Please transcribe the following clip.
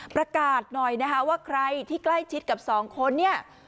ประกาศหน่อยนะครับว่าใครที่ใกล้ชิดกับ๒คน